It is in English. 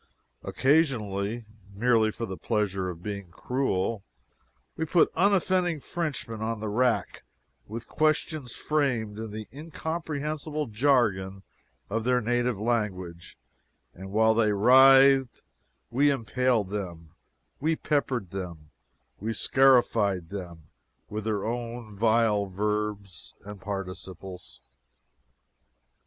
Occasionally, merely for the pleasure of being cruel, we put unoffending Frenchmen on the rack with questions framed in the incomprehensible jargon of their native language, and while they writhed we impaled them, we peppered them, we scarified them, with their own vile verbs and participles.